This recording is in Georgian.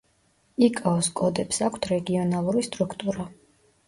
იკაოს კოდებს აქვთ რეგიონალური სტრუქტურა.